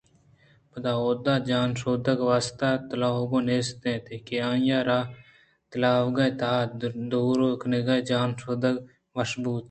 پدا اُودا جان شودگ ءِ واستہ تلاوگ نیست اِنت کہ آئی ءَ را تلاوگ ءِ تہا دور کنگ ءُ جان شودگ وش بوت